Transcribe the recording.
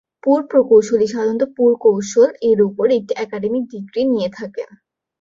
পুর-প্রকৌশলী সাধারণত পুরকৌশল এর উপর একটি একাডেমিক ডিগ্রী নিয়ে থাকেন।